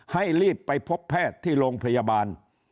ให้รีบไปพบแพทย์ที่โรงพยาบาล